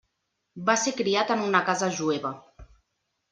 Va ser criat en una casa jueva.